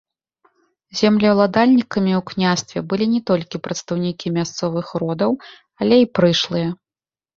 Землеўладальнікамі ў княстве былі не толькі прадстаўнікі мясцовых родаў, але і прышлыя.